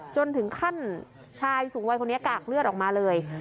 จนถึงขั้นชายสูงวัยคนนี้กากเลือดออกมาเลย